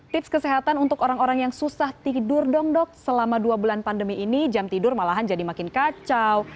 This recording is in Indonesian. tips kesehatan untuk orang orang yang susah tidur dong dok selama dua bulan pandemi ini jam tidur malahan jadi makin kacau